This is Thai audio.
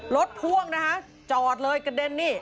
พ่วงนะฮะจอดเลยกระเด็นนี่